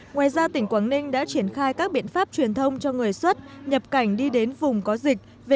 ngoài ra tỉnh quảng ninh đã triển khai các biện pháp truyền thông cho người xuất nhập cảnh đi đến vùng có dịch